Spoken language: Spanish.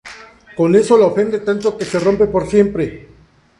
Con eso la ofende tanto que se rompen por siempre.